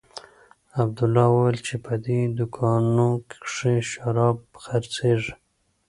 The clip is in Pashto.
عبدالله وويل چې په دې دوکانو کښې شراب خرڅېږي.